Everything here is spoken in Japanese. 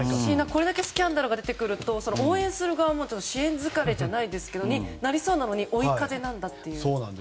これだけスキャンダルが出てくると応援する側も、支援疲れになりそうなのに追い風なんだって。